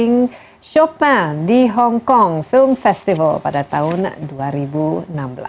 prenjak menangkap pelanggan yang berpengalaman di film festival di hong kong pada tahun dua ribu enam belas